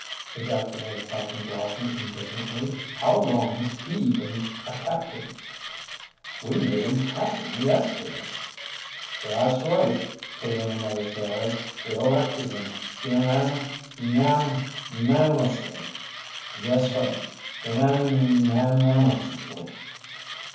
ejaculated Captain Blossom indignantly. "How long has he been a captain?" "We made him cap'n yesterday." "That's right," put in another sailor. "We 'lected him unan nan nan'mously; yes, sir, unan nan nan'mously."